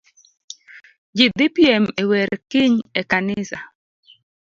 Ji dhi piem e wer kiny ekanisa.